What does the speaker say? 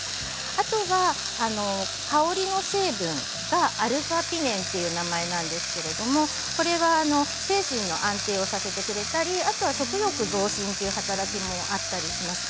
あとは香りの成分αピネンという名前なんですけれどもこれは精神を安定させてくれたりあとは食欲増進という働きもあったりします。